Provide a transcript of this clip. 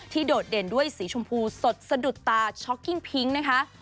โดดเด่นด้วยสีชมพูสดสะดุดตาช็อกกิ้งพิ้งนะคะ